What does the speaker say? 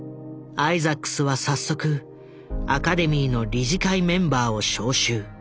アイザックスは早速アカデミーの理事会メンバーを招集。